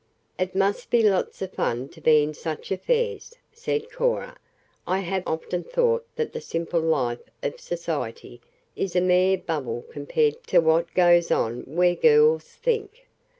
"It must be lots of fun to be in such affairs," said Cora. "I have often thought that the simple life of society is a mere bubble compared to what goes on where girls think."